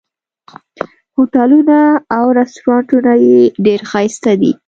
هوټلونه او رسټورانټونه یې ډېر ښایسته دي.